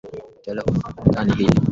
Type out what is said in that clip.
itwa le humanitan na hili la kikristo